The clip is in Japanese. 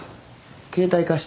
携帯貸して。